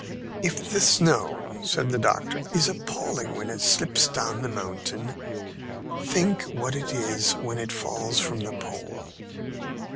"If the snow," said the doctor, "is appalling when it slips down the mountain, think what it is when it falls from the Pole!"